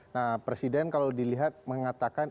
nah presiden kalau dilihat mengatakan